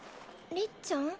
りっちゃん？